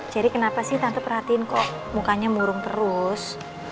jerry kenapa sih tante perhatiin kok mukanya murung terus